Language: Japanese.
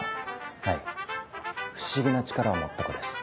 はい不思議な力を持った子です。